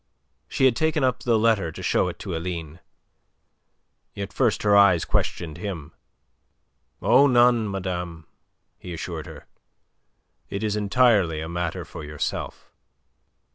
She had taken up the letter to show it to Aline. Yet first her eyes questioned him. "Oh, none, madame," he assured her. "It is entirely a matter for yourself."